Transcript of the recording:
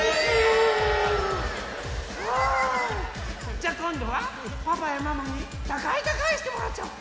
じゃあこんどはパパやママにたかいたかいしてもらっちゃおう！